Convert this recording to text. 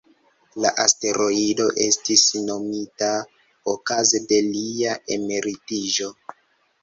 La asteroido estis nomita okaze de lia emeritiĝo.